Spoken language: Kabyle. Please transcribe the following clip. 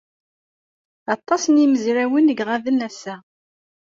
Aṭas n yimezrawen ay iɣaben ass-a.